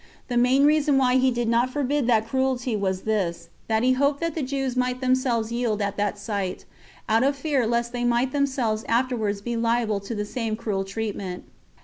The main reason why he did not forbid that cruelty was this, that he hoped the Jews might perhaps yield at that sight, out of fear lest they might themselves afterwards be liable to the same cruel treatment.